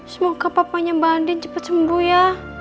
semoga papanya mbak andin cepat sembuh ya